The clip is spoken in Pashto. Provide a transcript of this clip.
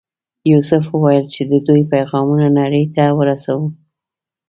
یوسف وویل چې د دوی پیغامونه نړۍ ته ورسوو.